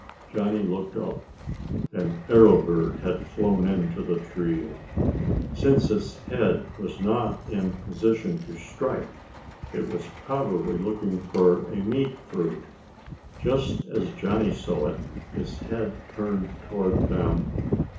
Johnny looked up. An arrow bird had flown into the tree. Since its head was not in position to strike, it was probably looking for a meat fruit. Just as Johnny saw it, its head turned toward them.